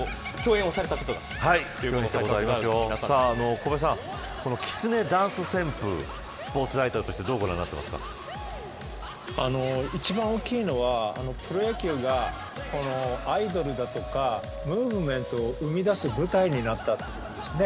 小林さん、きつねダンス旋風スポーツライターとして一番大きいのは、プロ野球がアイドルだとか、ムーブメントを生み出す舞台になったんですね。